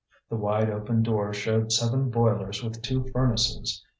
The wide open door showed seven boilers with two furnaces.